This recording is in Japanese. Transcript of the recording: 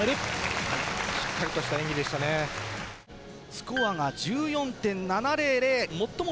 スコアが１４．７００。